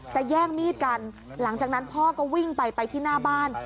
แย่งมีดกันหลังจากนั้นพ่อก็วิ่งไปไปที่หน้าบ้าน